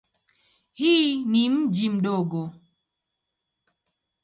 Hii ni mji mdogo.